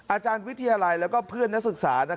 อาจารย์วิทยาลัยและเพื่อนนักศึกษา